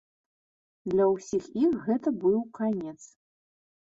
Для ўсіх іх гэта быў канец.